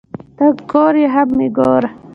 ته کور یې هم مې گور